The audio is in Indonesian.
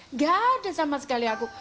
nggak ada sama sekali aku